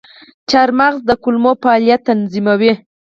چارمغز د کولمو فعالیت تنظیموي.